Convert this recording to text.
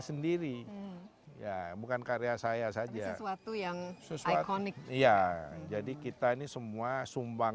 sendiri ya bukan karya saya saja sesuatu yang sesuatu nih iya jadi kita ini semua sumbang